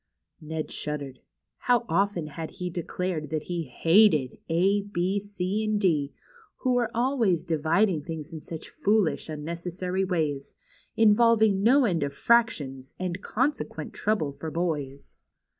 Ned shuddered. How often had he declared that he hated " A, B, C, and D, who were always dividing things in such foolish, unnecessary ways, involving no end of fractions, and consequent trouble for boys